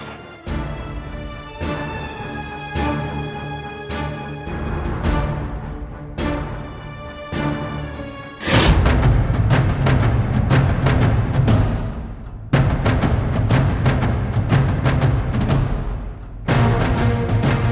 saat pelabuhan itu batas bize